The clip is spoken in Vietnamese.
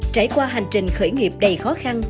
trải qua hành trình khởi nghiệp đầy khó khăn